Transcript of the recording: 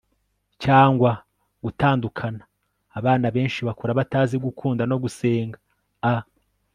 cyangwa gutandukana, abana benshi bakura batazi gukunda no gusenga. a